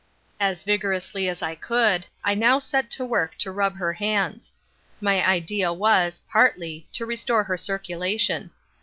As vigorously as I could I now set to work to rub her hands. My idea was (partly) to restore her circulation.